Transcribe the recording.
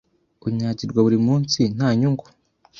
unyagirwa buri munsi ntanyungu